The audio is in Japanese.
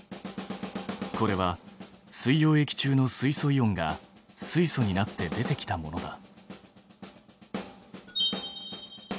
これは水溶液中の水素イオンが水素になって出てきたものだ。